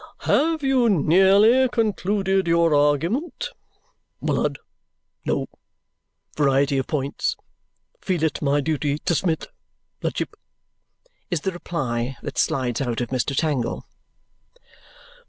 "Have you nearly concluded your argument?" "Mlud, no variety of points feel it my duty tsubmit ludship," is the reply that slides out of Mr. Tangle.